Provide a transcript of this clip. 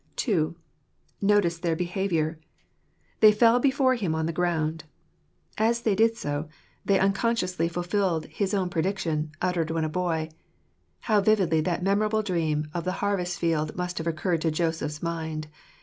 II. Notice their Behaviour. " They fell before him an the ground As they did so, they unconsciously Ill Jfa&alj's flies. fulfilled his own prediction, uttered when a boy. How vividly that memorable dream of the harvest field must have occurred to Joseph's mind